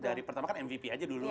dari pertama kan mvp aja dulu